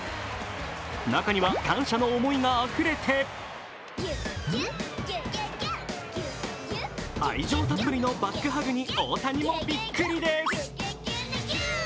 中には感謝の思いがあふれて愛情たっぷりのバックハグに、大谷もびっくりです。